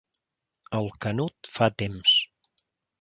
El Canut fa temps.